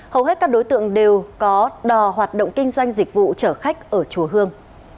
hầu hết các đối tượng đều có đò hoạt động kinh doanh dịch vụ chở khách ở chùa hương